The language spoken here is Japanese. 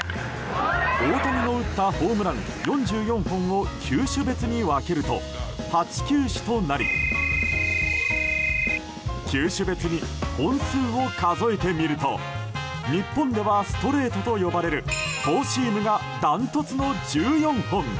大谷の打ったホームラン４４本を球種別に分けると、８球種となり球種別に本数を数えてみると日本ではストレートと呼ばれるフォーシームがダントツの１４本。